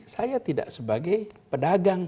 saya tidak sebagai pedagang